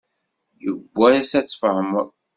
Yiwwas ad tfehmeḍ.